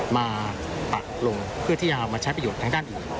มาปากลงที่จะเอามาใช้ประโยชน์ตามด้านอื่น